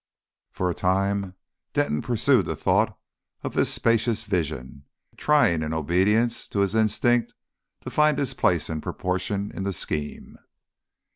For a time Denton pursued the thoughts of this spacious vision, trying in obedience to his instinct to find his place and proportion in the scheme.